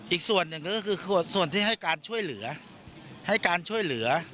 อีกส่วนหนึ่งก็คือส่วนที่ให้การช่วยเหลือ